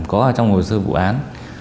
có trong hồ sơ vụ án